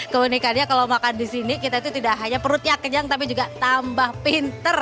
keunikannya kalau makan disini kita itu tidak hanya perutnya kencang tapi juga tambah pinter